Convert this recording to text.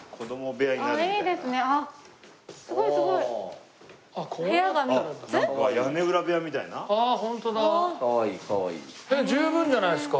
部屋十分じゃないですか。